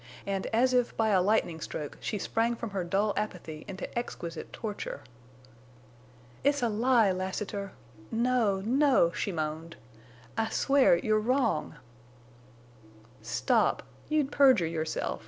And as if by a lightning stroke she sprang from her dull apathy into exquisite torture. "It's a lie! Lassiter! No, no!" she moaned. "I swear—you're wrong!" "Stop! You'd perjure yourself!